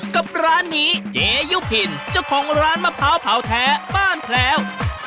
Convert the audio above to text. กับร้านนี้เจยุพินเจ้าของร้านมะพร้าวเผาแท้บ้านแพลว